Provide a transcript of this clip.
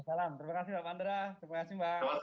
salam terima kasih mbak pandra terima kasih mbak